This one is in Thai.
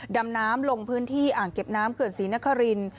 ดำน้ำลงพื้นที่อ่างเก็บน้ำเขื่อนศรีนคริน